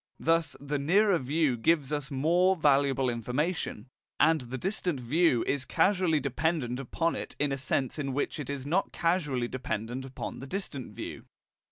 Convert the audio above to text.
Thus the nearer view gives us more valuable information, and the distant view is causally dependent upon it in a sense in which it is not causally dependent upon the distant view.